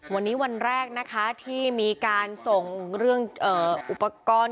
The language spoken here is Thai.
วันนี้วันแรกนะคะที่มีการส่งเรื่องอุปกรณ์